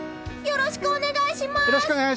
よろしくお願いします！